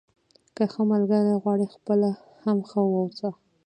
که ښه ملګری غواړئ خپله هم ښه واوسه.